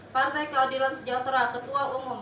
partai keadilan sejahtera ketua umum